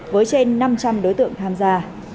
với trên năm trăm linh đối tượng tham gia